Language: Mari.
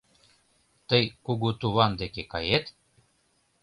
— Тый кугу туван деке кает?